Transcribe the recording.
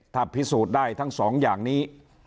ถ้าพิสูจน์ได้ทั้งสองอย่างนี้